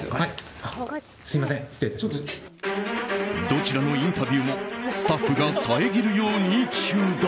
どちらのインタビューもスタッフが遮るように中断。